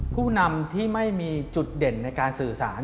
ผู้นำที่ไม่มีจุดเด่นในการสื่อสาร